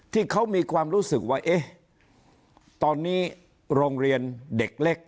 ที่เขามีความรู้สึกว่าเอ๊ะตอนนี้โรงเรียนเด็กเล็ก